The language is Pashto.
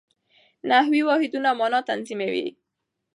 نحوي واحدونه مانا تنظیموي.